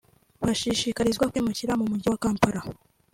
Bashishikarizwa kwimukira mu Mujyi wa Kampala